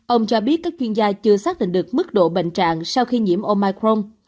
ông cho biết các chuyên gia chưa xác định được mức độ bệnh trạng sau khi nhiễm omicron